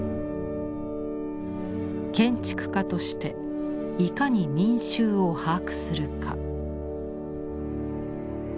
「建築家として如何に民衆を把握するか」。